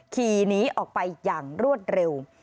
ขี่หนีออกไปอย่างรวดเร็ว